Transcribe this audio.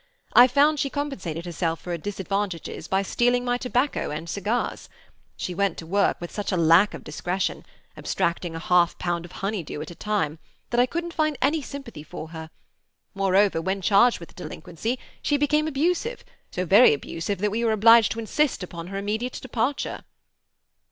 I found she compensated herself for disadvantages by stealing my tobacco and cigars. She went to work with such a lack of discretion—abstracting half a pound of honeydew at a time—that I couldn't find any sympathy for her. Moreover, when charged with the delinquency, she became abusive, so very abusive that we were obliged to insist upon her immediate departure."